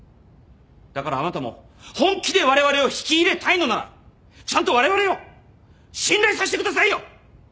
だからあなたも本気でわれわれを引き入れたいのならちゃんとわれわれを信頼させてくださいよ！